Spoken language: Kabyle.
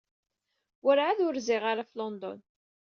Werɛad ur rziɣ ara ɣef London.